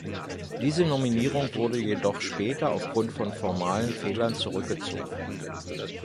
Diese Nominierung wurde jedoch später aufgrund von formalen Fehlern zurückgezogen.